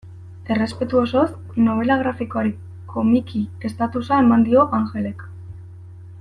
Errespetu osoz, nobela grafikoari komiki estatusa eman dio Angelek.